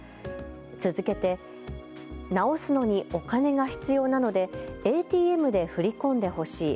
続けて直すのにお金が必要なのでＡＴＭで振り込んでほしい。